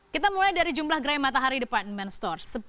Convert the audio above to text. kita mulai dari jumlah gerai matahari department store